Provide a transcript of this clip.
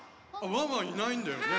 ワンワンいないんだよね。